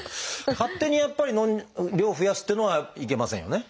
勝手にやっぱり量を増やすっていうのはいけませんよね？